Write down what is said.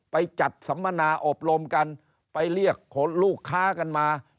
ไปจัดสัมมนาอบรมกันไปเรียกขนลูกค้ากันมา